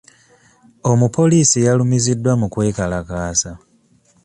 Omupoliisi yalumiziddwa mu kwe kalakaasa.